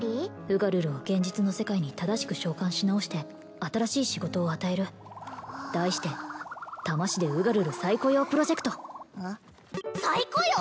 ウガルルを現実の世界に正しく召喚し直して新しい仕事を与える題して多魔市でウガルル再雇用プロジェクト再雇用！？